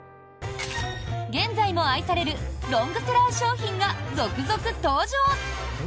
現在も愛されるロングセラー商品が続々登場！